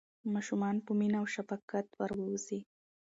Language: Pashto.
ماشومان په مینه او شفقت وروځئ.